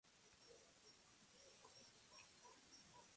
La provincia abarcaba un territorio similar al del actual estado Falcón.